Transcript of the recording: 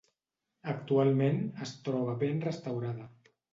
Actualment es troba ben restaurada.